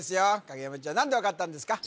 影山ちゃん何で分かったんですか？